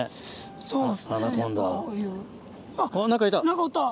何かおった！